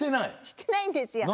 してないんですよ。